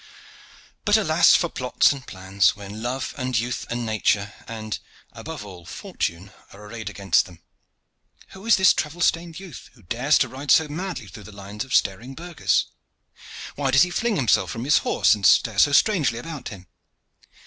But alas! for plots and plans when love and youth and nature, and above all, fortune are arrayed against them. Who is this travel stained youth who dares to ride so madly through the lines of staring burghers? Why does he fling himself from his horse and stare so strangely about him?